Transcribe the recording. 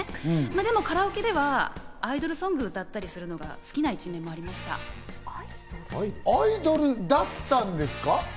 でもカラオケではアイドルソングを歌ったりするのが好きな一面もアイドルだったんですか？